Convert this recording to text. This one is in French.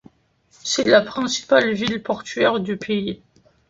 C'est la principale ville portuaire du pays.